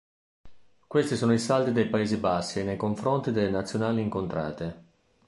Questi sono i saldi dei Paesi Bassi nei confronti delle Nazionali incontrate.